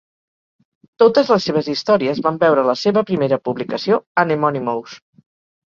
Totes les seves històries van veure la seva primera publicació a Nemonymous.